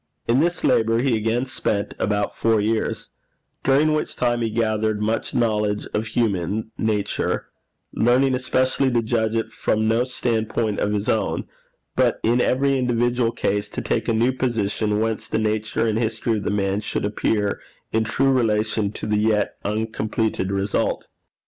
In this labour he again spent about four years, during which time he gathered much knowledge of human nature, learning especially to judge it from no stand point of his own, but in every individual case to take a new position whence the nature and history of the man should appear in true relation to the yet uncompleted result.